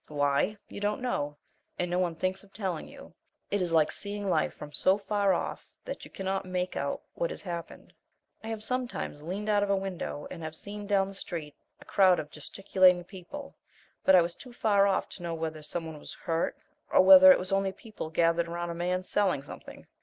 Why? You don't know, and no one thinks of telling you. It is like seeing life from so far off that you cannot make out what has happened. I have sometimes leaned out of a window and have seen down the street a crowd of gesticulating people, but I was too far off to know whether some one was hurt or whether it was only people gathered around a man selling something.